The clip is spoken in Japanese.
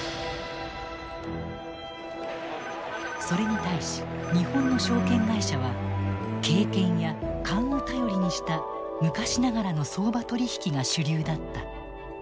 それに対し日本の証券会社は経験や勘を頼りにした昔ながらの相場取引が主流だった。